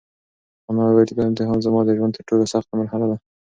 انا وویل چې دا امتحان زما د ژوند تر ټولو سخته مرحله ده.